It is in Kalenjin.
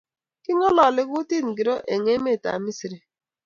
Kingololi kutit ngiro eng emetab misri?